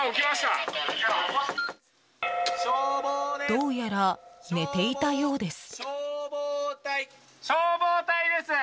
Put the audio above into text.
どうやら寝ていたようです。